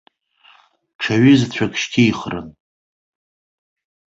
Ҽа ҩызцәак шьҭихрын.